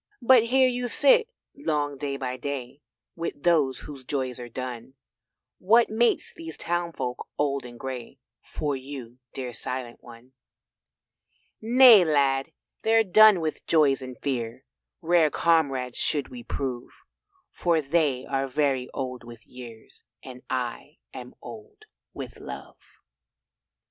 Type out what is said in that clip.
But here you sit long day by day With those whose joys are done; What mates these townfolk old and grey For you dear Silent one. "Nay, Lad, they're done with joys and fears. Rare comrades should we prove, For they are very old with years And I am old with love."